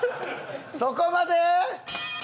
そこまで！